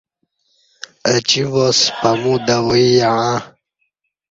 اہ چی واس پمو دوای یعں